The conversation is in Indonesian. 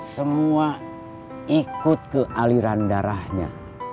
semua ikut ke aliran darahnya